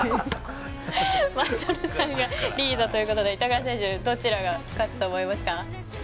前園さんがリードということで板倉選手どちらが勝つと思いますか？